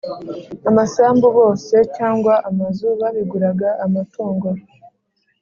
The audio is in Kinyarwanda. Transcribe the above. amasambu bose cyangwa amazu babiguraga amatungo